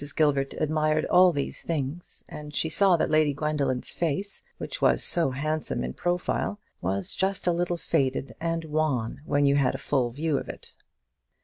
Gilbert admired all these things, and she saw that Lady Gwendoline's face, which was so handsome in profile, was just a little faded and wan when you had a full view of it.